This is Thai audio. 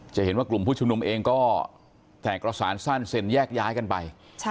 จะเห็นว่ากลุ่มผู้ชุมนุมเองก็แตกกระสานสั้นเซ็นแยกย้ายกันไป